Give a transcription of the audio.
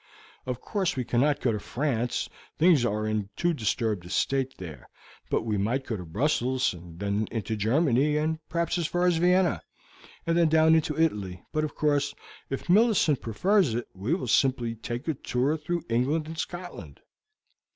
Of course we cannot go to France, things are in too disturbed a state there; but we might go to Brussels, and then into Germany, and perhaps as far as Vienna, and then down into Italy; but of course, if Millicent prefers it, we will simply take a tour through England and Scotland."